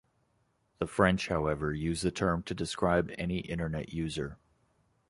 The French, however, use the term to describe any Internet user.